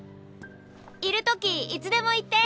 いる時いつでも言って。